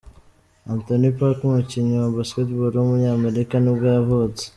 Anthony Parker, umukinnyi wa Basketball w’umunyamerika nibwo yavutse.